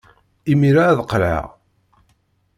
Imir-a ad d-qqleɣ.